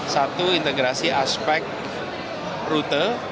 satu integrasi aspek rute